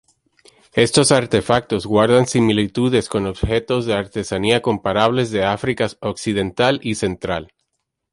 Estos artefactos guardan similitudes con objetos de artesanía comparables de África Occidental y Central.